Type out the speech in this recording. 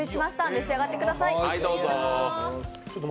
召し上がってください。